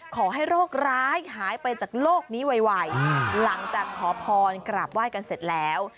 ขอให้โรคร้ายหายไปจากโลกนี้ไวหลังจากขอพรกราบไหว้กันเสร็จแล้ว